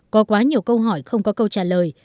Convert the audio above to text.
có quá nhiều câu hỏi không có câu trả lời